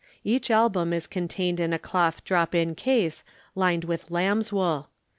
Each Album is contained in a cloth drop in case lined with lamb's wool.